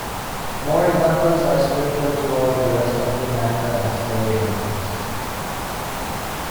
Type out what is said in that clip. More examples are sprinkled throughout the rest of the manga as story elements.